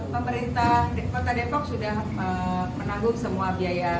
pemerintah kota depok sudah menanggung semua biaya